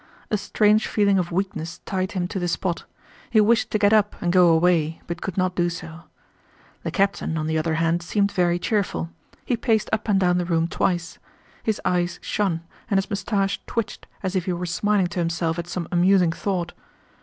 A strange feeling of weakness tied him to the spot; he wished to get up and go away, but could not do so. The captain, on the other hand, seemed very cheerful. He paced up and down the room twice. His eyes shone and his mustache twitched as if he were smiling to himself at some amusing thought.